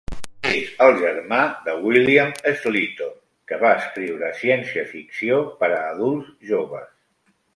És el germà de William Sleator, que va escriure ciència ficció per a adults joves.